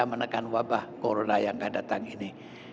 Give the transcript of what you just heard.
menekan wabah corona yang akan datang ini